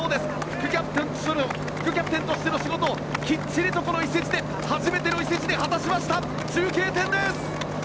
副キャプテンとしての仕事をきっちりとこの初めての伊勢路で果たしました！